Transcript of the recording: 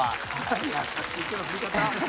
ハハ優しい手の振り方。